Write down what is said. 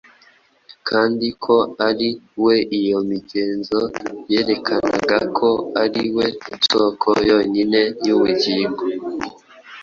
kandi ko ari we iyo migenzo yerekanaga ko ari we soko yonyine y’ubugingo